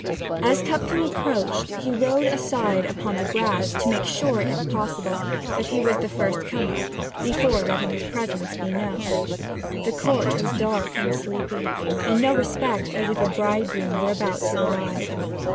As Tupcombe approached he rode aside upon the grass, to make sure, if possible, that he was the first comer, before letting his presence be known. The Court was dark and sleepy, in no respect as if a bridegroom were about to arrive.